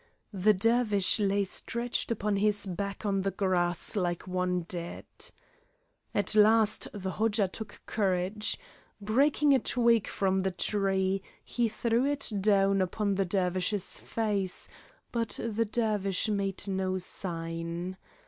The Dervish lay stretched upon his back on the grass like one dead. At last the Hodja took courage. Breaking a twig from off the tree, he threw it down upon the Dervish's face, but the Dervish made no sign.